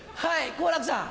好楽さん。